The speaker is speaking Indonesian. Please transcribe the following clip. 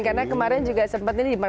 karena kemarin juga sempat ini